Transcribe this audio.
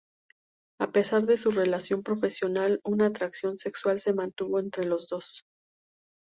A pesar de su relación profesional, una atracción sexual se mantuvo entre los dos.